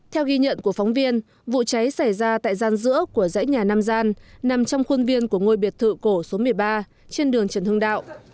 theo ghi nhận của phóng viên vụ cháy xảy ra tại gian giữa của dãy nhà nam gian nằm trong khuôn viên của ngôi biệt thự cổ số một mươi ba trên đường trần hưng đạo